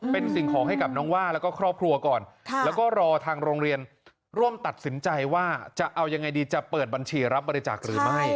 เป็นสิ่งของให้กับน้องว่าแล้วก็ครอบครัวก่อนแล้วก็รอทางโรงเรียนร่วมตัดสินใจว่าจะเอายังไงดีจะเปิดบัญชีรับบริจาคหรือไม่